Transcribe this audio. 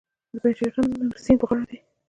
د پنجشیر غنم د سیند په غاړه دي.